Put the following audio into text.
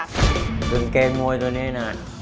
กางเกงมวยตัวนี้นะ